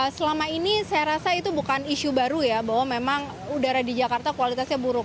selama ini saya rasa itu bukan isu baru ya bahwa memang udara di jakarta kualitasnya buruk